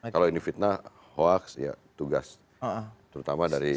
kalau ini fitnah hoax ya tugas terutama dari